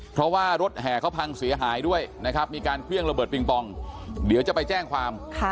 เพราะว่ารถแห่เขาพังเสียหายด้วยนะครับมีการเครื่องระเบิดปิงปองเดี๋ยวจะไปแจ้งความ